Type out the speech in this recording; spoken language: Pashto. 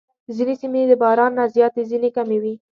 ځینې سیمې د باران نه زیاتې، ځینې کمې وي.